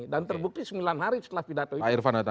dan terbukti sembilan hari setelah pidato itu